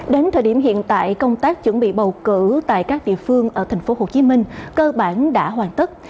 đến thời điểm hiện tại công tác chuẩn bị bầu cử tại các địa phương ở thành phố hồ chí minh cơ bản đã hoàn tất